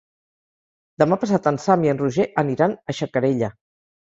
Demà passat en Sam i en Roger aniran a Xacarella.